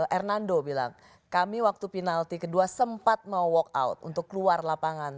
hernando bilang kami waktu penalti kedua sempat mau walk out untuk keluar lapangan